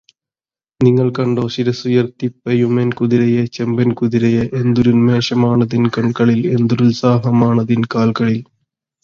നിങ്ങൾ കണ്ടോ ശിരസ്സുയർത്തിപ്പയുമെൻ കുതിരയെ ചെമ്പൻ കുതിരയെ എന്തൊരുന്മേഷമാണതിൻ കൺകളിൽ എന്തൊരുത്സാഹമാണതിൻ കാൽകളിൽ